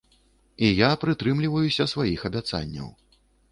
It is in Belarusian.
І я прытрымліваюся сваіх абяцанняў.